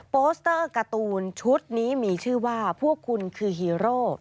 โปสเตอร์การ์ตูนชุดนี้มีชื่อว่าพวกคุณคือฮีโร่